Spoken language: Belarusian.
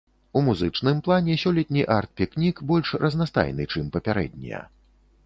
У музычным плане сёлетні арт-пікнік больш разнастайны, чым папярэднія.